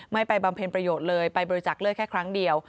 ไปบำเพ็ญประโยชน์เลยไปบริจักษ์เลือดแค่ครั้งเดียว